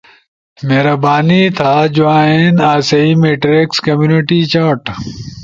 ، مہربانی تھا جوائن آسئی میٹریکس کمیونٹی چاٹ